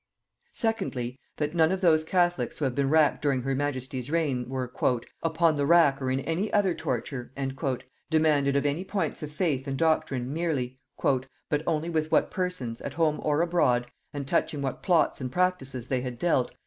Secondly, that none of those catholics who have been racked during her majesty's reign were, "upon the rack or in any other torture," demanded of any points of faith and doctrine merely, "but only with what persons, at home or abroad, and touching what plots and practises they had dealt...